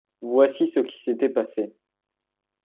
Voici ce qui s’était passé.